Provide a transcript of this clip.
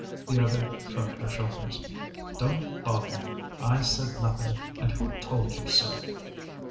The other shrugged her shoulders. "Don't bother me. I said nothing; and who told you so?"